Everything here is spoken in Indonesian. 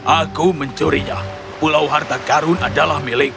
aku mencurinya pulau harta karun adalah milikku